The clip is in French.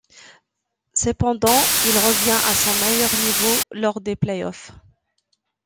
Cependant, il revient à son meilleur niveau lors des play-offs.